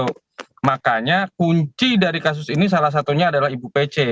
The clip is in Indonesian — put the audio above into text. jadi makanya kunci dari kasus ini salah satunya adalah ibu pece